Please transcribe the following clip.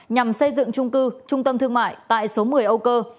nhằm xây dựng trung cư trung tâm thương mại tại số một mươi âu cơ